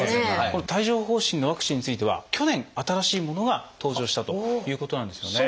この帯状疱疹のワクチンについては去年新しいものが登場したということなんですよね。